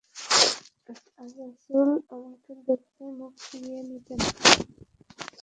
আর রাসূল আমাকে দেখলেই মুখ ফিরিয়ে নিতেন।